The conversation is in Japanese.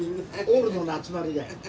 オールドの集まりだよ。